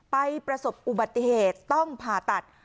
ประสบอุบัติเหตุต้องผ่าตัด